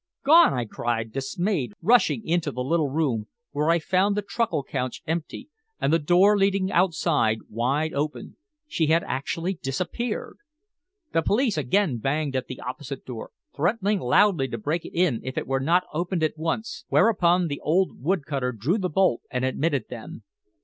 "Gone!" I cried, dismayed, rushing into the little room, where I found the truckle couch empty, and the door leading outside wide open. She had actually disappeared! The police again battered at the opposite door, threatening loudly to break it in if it were not opened at once, whereupon the old wood cutter drew the bolt and admitted them.